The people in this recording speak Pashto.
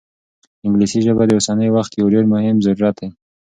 انګلیسي ژبه د اوسني وخت یو ډېر مهم ضرورت دی.